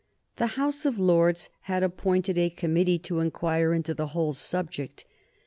The House of Lords had appointed a committee to inquire into the whole subject.